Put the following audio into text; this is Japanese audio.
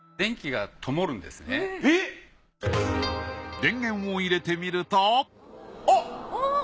電源を入れてみるとおっ！